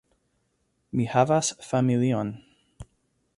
Mi havas familion.